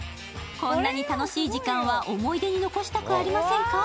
こんなに楽しい時間は思い出に残したくありませんか？